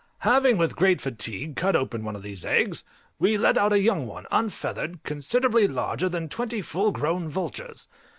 Having, with great fatigue, cut open one of these eggs, we let out a young one unfeathered, considerably larger than twenty full grown vultures.